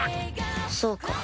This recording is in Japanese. そうか。